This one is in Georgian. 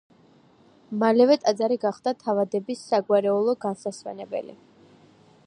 მალევე ტაძარი გახდა თავადების საგვარეულო განსასვენებელი.